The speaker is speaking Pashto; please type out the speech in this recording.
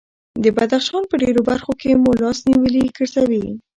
د بدخشان په ډېرو برخو کې مو لاس نیولي ګرځوي.